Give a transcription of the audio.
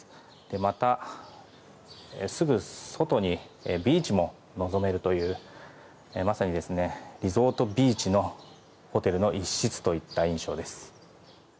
また、すぐ外にビーチも望めるというまさにリゾートビーチのホテルの一室といった印象です。